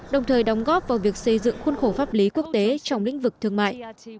đồng thời đóng góp vào việc xây dựng khuôn khổ pháp lý quốc tế trong lĩnh vực thương mại